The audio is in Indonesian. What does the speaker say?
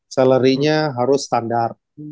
salary nya harus standar